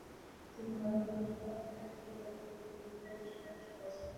তিনি মরক্কোর বেশিরভাগ ঘাঁটি থেকে পর্তুগিজদের বহিষ্কারে বিশেষভাবে সফল ছিলেন।